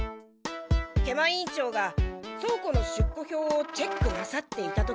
食満委員長が倉庫の出庫票をチェックなさっていた時。